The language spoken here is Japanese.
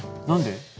何で？